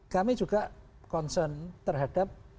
kami juga concern terhadap